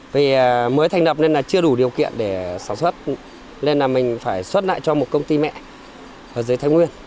vì mới thành đập nên là chưa đủ điều kiện để sản xuất nên là mình phải xuất lại cho một công ty mẹ ở dưới thái nguyên